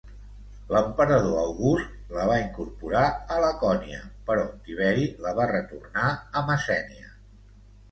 L'emperador August la va incorporar a Lacònia, però Tiberi la va retornar a Messènia.